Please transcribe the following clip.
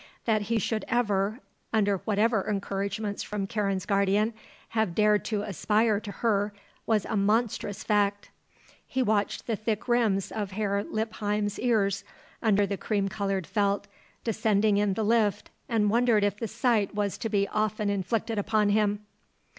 That he should ever, under whatever encouragements from Karen's guardian, have dared to aspire to her, was a monstrous fact. He watched the thick rims of Herr Lippheim's ears, under the cream coloured felt, descending in the lift and wondered if the sight was to be often inflicted upon him.